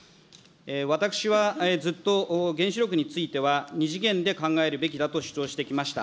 私はずっと、原子力については、２次元で考えるべきだと主張してきました。